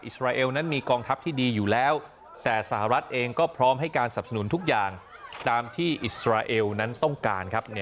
สราเอลนั้นมีกองทัพที่ดีอยู่แล้วแต่สหรัฐเองก็พร้อมให้การสับสนุนทุกอย่างตามที่อิสราเอลนั้นต้องการครับ